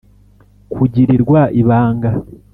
kugirirwa ibanga